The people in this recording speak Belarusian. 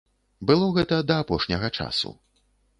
Было гэта да апошняга часу.